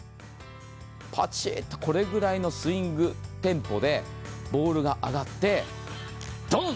パチっとこのくらいのスイングテンポでボールが上がって、ドン！